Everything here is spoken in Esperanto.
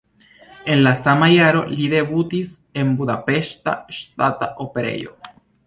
En la sama jaro li debutis en Budapeŝta Ŝtata Operejo.